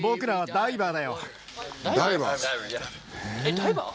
ダイバー。